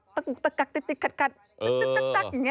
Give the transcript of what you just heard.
ตกกรักตะกรรัดตะกรัดอย่างนี้